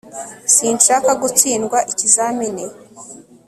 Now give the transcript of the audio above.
sinshaka gutsindwa ikizamini